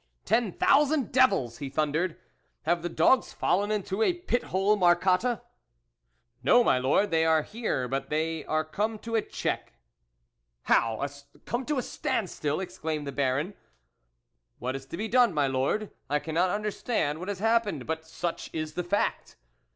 " Ten thousand devils !" he thundered. " Have the dogs fallen into a pit hole, Marcotte ?"" No, my Lord, they are here, but they are come to a check." "How! come to a standstill! " exclaimed the Baron. " What is to be done, my Lord ? I can not understand what has happened, but such is the fact."